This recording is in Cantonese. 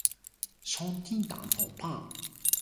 你點解要加入娛樂圈呢